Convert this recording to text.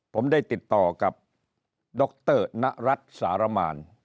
ผมได้ติดต่อกับดรนรัฐสารมาน